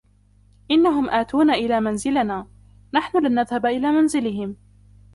إنهم أتون إلي منزلنا, نحن لن نذهب إلي منزلهم.